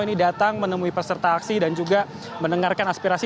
ini datang menemui peserta aksi dan juga mendengarkan aspirasi